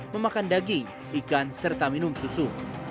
memakan daging ikan serta minum susu